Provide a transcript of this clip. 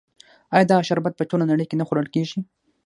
آیا دا شربت په ټوله نړۍ کې نه خوړل کیږي؟